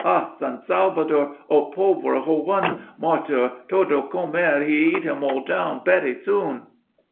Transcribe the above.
ah, San Salvador! ah, pobre joven! matar, todo comer, he eat him all down, berry soon!"